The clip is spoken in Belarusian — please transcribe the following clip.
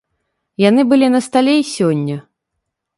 Яны былі на стале і сёння.